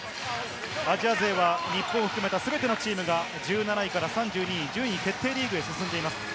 アジア勢は日本を含めた全てのチームが１７位から３２位、順位決定リーグに進んでいます。